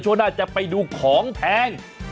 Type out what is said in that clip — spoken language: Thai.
ช่วงหน้าจะไปดูของแพง